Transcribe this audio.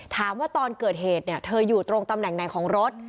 ตอนเกิดเหตุเธออยู่ตรงตำแหน่งไหนของรถ